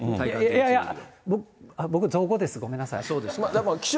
いやいや、僕、造語です、ごめんなさい。